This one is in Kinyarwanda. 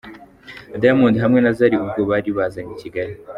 Diamond hamwe na Zari ubwo bari bazanye i Kigali.